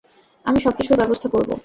আমি সবকিছুর ব্যবস্থা করবো।